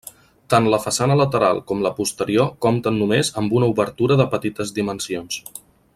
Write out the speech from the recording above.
Tant la façana lateral com la posterior compten només amb una obertura de petites dimensions.